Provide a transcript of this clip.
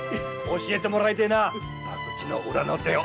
教えてもらいてえな博打の裏の手を。